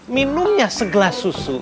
minumnya segelas susu